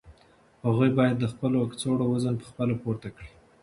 هغوی باید د خپلو کڅوړو وزن په خپله پورته کړي.